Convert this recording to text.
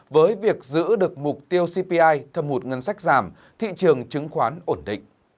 với việc giữ được mục tiêu cpi thâm hụt ngân sách giảm thị trường chứng khoán ổn định